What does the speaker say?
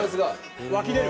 湧き出る。